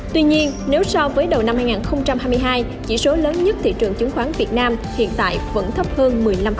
tuy nhiên nếu so với đầu năm hai nghìn hai mươi hai chỉ số lớn nhất thị trường chứng khoán việt nam hiện tại vẫn thấp hơn một mươi năm